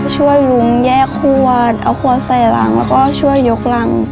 ช่วยลุงแยกขวดเอาขวดใส่หลังแล้วก็ช่วยยกหลัง